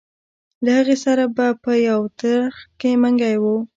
له هغې سره به په یو ترخ کې منګی و.